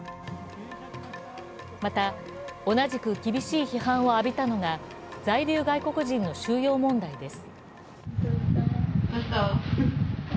また、同じく厳しい批判を浴びたのが在留外国人の収容問題です。